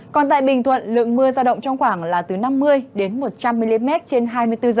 còn tại bình thuận lượng mưa ra động trong khoảng là từ năm mươi đến một trăm linh mm trên hai mươi bốn h